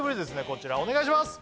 こちらお願いします